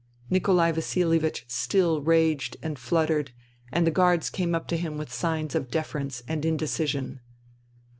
Nikolai Vasilievich still raged and fluttered, and the guards came up to him with signs of deference and indecision.